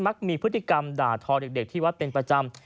ักมีพฤติกรรมด่าทอเด็กที่วัดเป็นประจำ